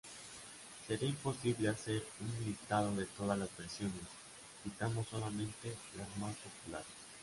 Sería imposible hacer una listado de todas las versiones, citamos solamente las más populares.